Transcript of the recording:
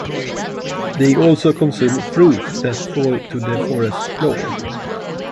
They also consume fruit that falls to the forest floor.